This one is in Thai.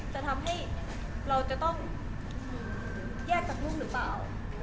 จะทำให้เราจะต้องแยกจากลูกหรือเปล่า